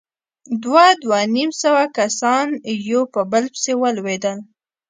دوه، دوه نيم سوه کسان يو په بل پسې ولوېدل.